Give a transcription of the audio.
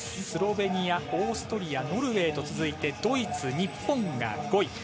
スロベニア、オーストリアノルウェーと続いてドイツ、日本が５位。